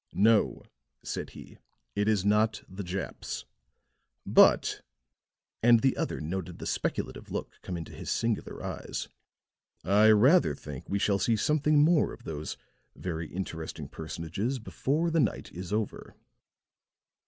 "No," said he, "it is not the Japs. But," and the other noted the speculative look come into his singular eyes, "I rather think we shall see something more of those very interesting personages before the night is over."